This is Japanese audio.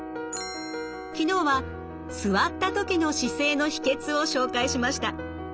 昨日は座った時の姿勢の秘けつを紹介しました。